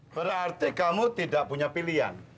berarti kamu tidak punya pilihan